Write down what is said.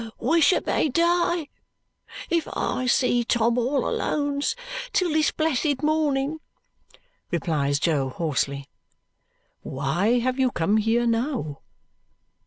"Wishermaydie if I seen Tom all Alone's till this blessed morning," replies Jo hoarsely. "Why have you come here now?"